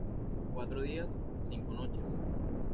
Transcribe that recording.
Cuatro días, cinco noches.